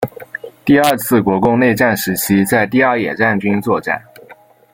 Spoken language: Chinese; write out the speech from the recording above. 第二次国共内战时期在第二野战军作战。